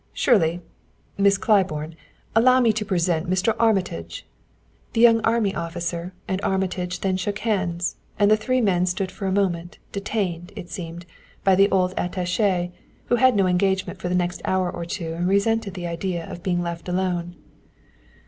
"Shirley Miss Claiborne allow me to present Mr. Armitage." The young army officer and Armitage then shook hands, and the three men stood for a moment, detained, it seemed, by the old attaché, who had no engagement for the next hour or two and resented the idea of being left alone.